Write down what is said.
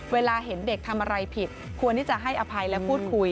เวลาเห็นเด็กทำอะไรผิดควรที่จะให้อภัยและพูดคุย